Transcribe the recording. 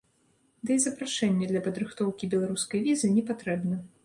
Ды і запрашэнне для падрыхтоўкі беларускай візы не патрэбна.